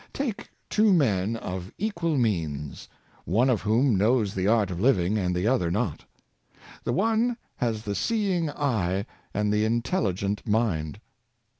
Take two men of equal means, one of whom knows the art of living, and the other not. The one has the seeing eye and the intelligent mind.